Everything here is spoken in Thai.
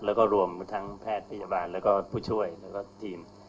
แล้วก็รวมทั้งแพทย์พยาบาลแล้วก็ผู้ช่วยแล้วก็ทีม